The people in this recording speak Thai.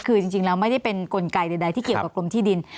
คือจริงแล้วไม่ได้เป็นกลไกใดที่เกี่ยวกับกรมที่ดิน